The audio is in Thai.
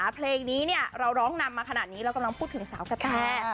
เพลงนี้เราร้องนำมาขนาดนี้เรากำลังพูดถึงสาวกะแต